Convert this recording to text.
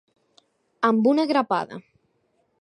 Amb una grapada.